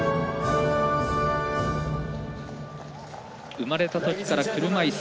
生まれたときから車いす。